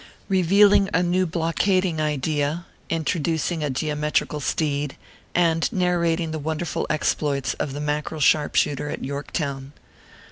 REVEALING A NEW BLOCKADING IDEA, INTRODUCING A GEOMETRICAL STEED, AND NARRATING THE WONDERFUL EXPLOITS. OF THE MACK EREL SHARPSHOOTER AT YORKTOWN.